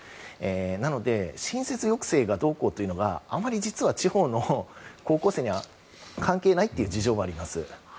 なので新設抑制がどうこうというのがあまり実は地方の高校生には関係ないという事情はあります。